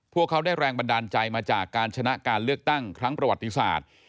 พวกเขาได้แรงบันดาลใจมาจากการชนะการเลือกตั้งครั้งประวัติศาสตร์